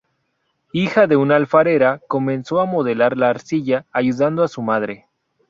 Hija de una alfarera, comenzó a modelar la arcilla ayudando a su madre.